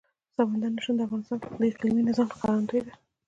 سمندر نه شتون د افغانستان د اقلیمي نظام ښکارندوی ده.